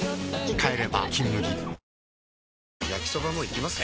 帰れば「金麦」焼きソバもいきます？